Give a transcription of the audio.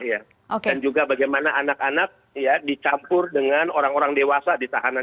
dan juga bagaimana anak anak dicampur dengan orang orang dewasa ditahanan